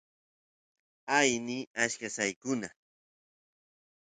aini achka saykuna